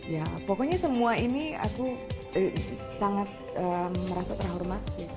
ya pokoknya semua ini aku sangat merasa terhormat sih